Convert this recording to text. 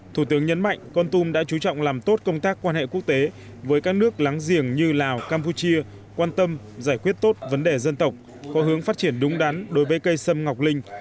thủ tướng nhấn mạnh con tum đã chú trọng làm tốt công tác quan hệ quốc tế với các nước láng giềng như lào campuchia quan tâm giải quyết tốt vấn đề dân tộc có hướng phát triển đúng đắn đối với cây sâm ngọc linh